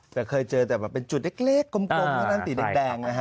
แต่เกิดเจอจุดเล็กกลมติดแดง